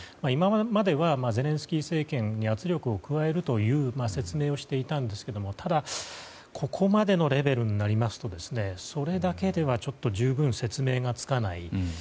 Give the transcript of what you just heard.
今まではゼレンスキー政権に圧力を加えるという説明をしていたんですがただ、ここまでのレベルになるとそれだけでは十分、説明がつかない。